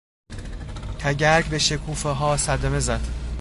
تگرگ به شکوفهها صدمه زد.